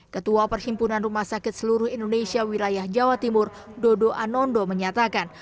ketua perhimpunan rumah sakit seluruh indonesia wilayah jawa timur dodo anondo menyatakan